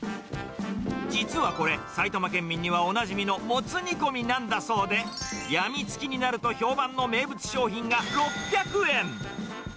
実はこれ、埼玉県民にはおなじみのもつ煮込みなんだそうで、病みつきになると評判の名物商品が６００円。